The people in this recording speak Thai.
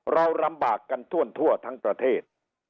เราลำบากกันทั่วทั้งประเทศ